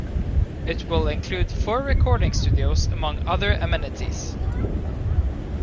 It will include four recording studios, among other amenities.